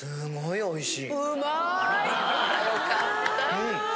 おいしい？